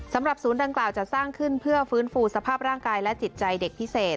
สำหรับศูนย์ดังกล่าวจะสร้างขึ้นเพื่อฟื้นฟูสภาพร่างกายและจิตใจเด็กพิเศษ